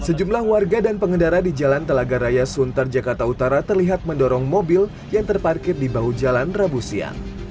sejumlah warga dan pengendara di jalan telaga raya sunter jakarta utara terlihat mendorong mobil yang terparkir di bahu jalan rabu siang